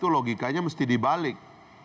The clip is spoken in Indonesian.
logikanya itu mesti dibalik